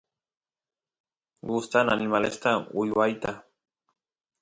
gustan animalesta uywata